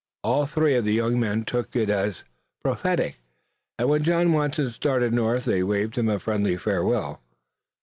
All three of the young men took it as prophetic and when John Watson started north they waved him a friendly farewell.